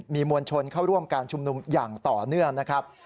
มีมวลชนเข้าร่วมการชุมนุมอย่างต่อเนื่องนะครับ